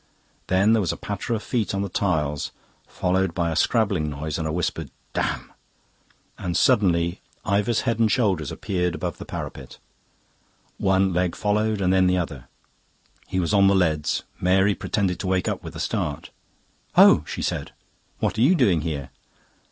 Then there was a patter of feet on the tiles, followed by a scrabbling noise and a whispered "Damn!" And suddenly Ivor's head and shoulders appeared above the parapet. One leg followed, then the other. He was on the leads. Mary pretended to wake up with a start. "Oh!" she said. "What are you doing here?"